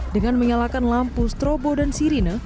dengan menyalakan lampu strobo dan sirine